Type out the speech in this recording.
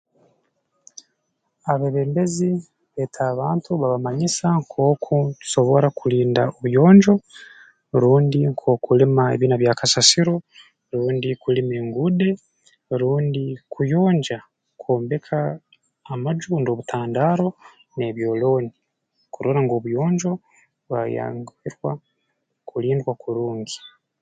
Abeebembezi beeta abantu babamanyisa nkooku tusobora kulinda obuyonjo rundi nk'okulima ebiina bya kasasiro rundi kulima enguude rundi kuyonja kwombeka amaju rundi obutandaaro n'ebyolooni kurora ngu obuyonjo bwayanguhirwa kulindwa kurungi